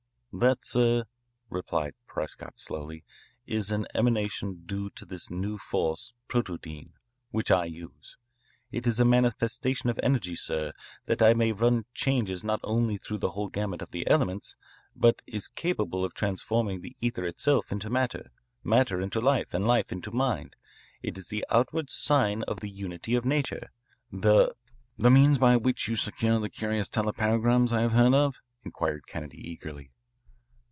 "That, sir," replied Prescott slowly, "is an emanation due to this new force, protodyne, which I use. It is a manifestation of energy, sir, that may run changes not only through the whole gamut of the elements, but is capable of transforming the ether itself into matter, matter into life, and life into mind. It is the outward sign of the unity of nature, the " "The means by which you secure the curious telepagrams I have heard of?" inquired Kennedy eagerly.